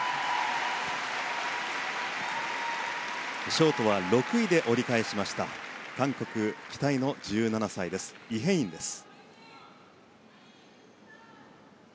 ショートは６位で折り返しました韓国期待の１７歳イ・ヘインです。